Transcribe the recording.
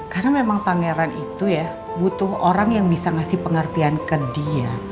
karena memang pangeran itu ya butuh orang yang bisa ngasih pengertian ke dia